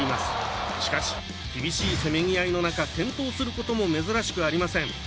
しかし、厳しいせめぎ合いの中転倒することも珍しくありません。